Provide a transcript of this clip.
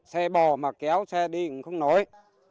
xe bò mà kéo xe đi cũng không nổi